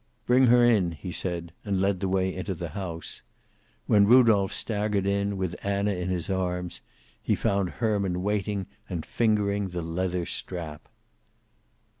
"Bring her in," he said, and led the way into the house. When Rudolph staggered in, with Anna in his arms, he found Herman waiting and fingering the leather strap.